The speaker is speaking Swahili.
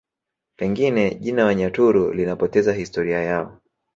Pengine jina Wanyaturu linapoteza historia yao